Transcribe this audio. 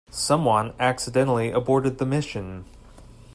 Someone accidentally aborted the mission.